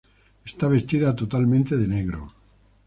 Está vestida totalmente de negro.